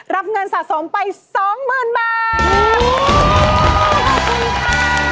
รับเงินสะสมไป๒๐๐๐บาท